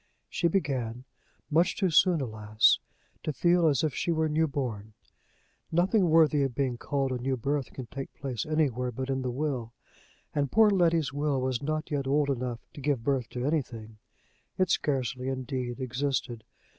She began, much too soon, alas! to feel as if she were newborn; nothing worthy of being called a new birth can take place anywhere but in the will, and poor Letty's will was not yet old enough to give birth to anything; it scarcely, indeed, existed.